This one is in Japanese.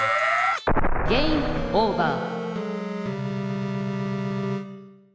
ゲームオーバー。